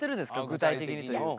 具体的にというか。